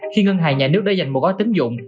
khi ngân hàng nhà nước đã dành một gói tính dụng